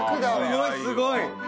すごいすごい！